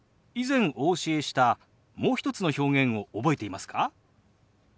以前お教えしたもう一つの表現を覚えていますか？